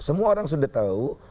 semua orang sudah tahu